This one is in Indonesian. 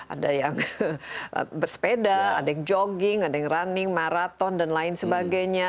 ada yang bersepeda ada yang jogging ada yang running maraton dan lain sebagainya